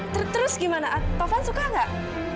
terus gimana taufan suka nggak